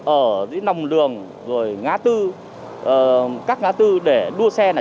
ở dưới nòng lường rồi ngá tư các ngá tư để đua xe này